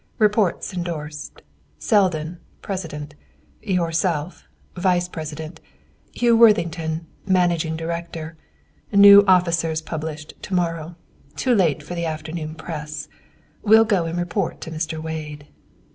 Reports endorsed. Selden, president; yourself, vice president; Hugh Worthington, managing director. New officers published to morrow. Too late for afternoon press. Will go and report to Mr. Wade."